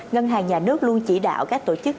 ngân hàng nhà nước luôn chỉ đạo các tổ chức